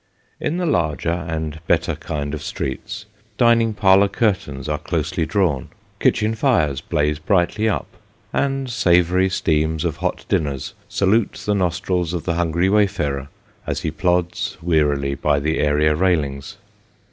In the larger and better kind of streets, dining parlour curtains are closely drawn, kitchen fires blaze brightly up, and savoury steams of hot dinners salute the nostrils of the hungry wayfarer, as he plods wearily by the area railings.